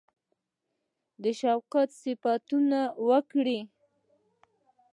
د شوکت صفتونه وکړي.